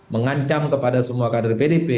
mengancam kepada semua kader pdip